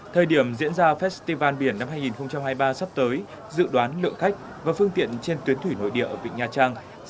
thời điểm diễn ra festival biển năm hai nghìn hai mươi ba sắp tới dự đoán lượng khách và phương tiện trên tuyến thủy nội địa